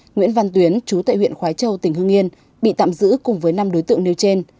nguyễn văn tuyến chú tại huyện khói châu tỉnh hương yên bị tạm giữ cùng với năm đối tượng nêu trên